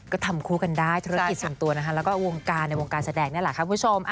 ก็ทำคู่กันได้ธุรกิจส่วนตัวนะคะแล้วก็วงการในวงการแสดงนี่แหละค่ะคุณผู้ชม